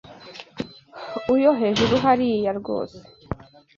Uyo hejuru hariya rwose.